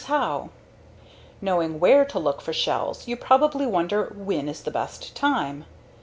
HERE'S HOW Knowing WHERE to look for shells you probably wonder WHEN is the best time.